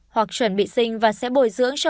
hoặc chuẩn bị sinh và sẽ bồi dưỡng cho